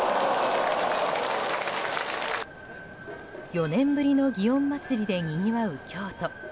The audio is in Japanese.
４年ぶりの祇園祭でにぎわう京都。